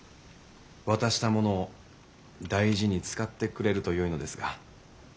渡したものを大事に使ってくれるとよいのですが。